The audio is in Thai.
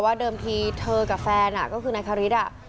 เดิมทีเธอกับแฟนก็คือนายคาริส